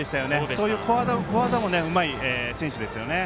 そういう小技もうまい選手ですね。